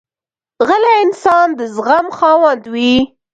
غلی انسان، د زغم خاوند وي.